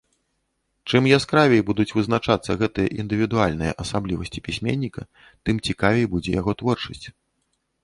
Чым яскравей будуць вызначацца гэтыя індывідуальныя асаблівасці пісьменніка, тым цікавей будзе яго творчасць.